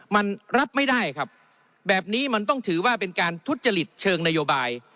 มันรับไม่ได้ครับแบบนี้มันต้องถือว่าเป็นการทุจริตเชิงนโยบาย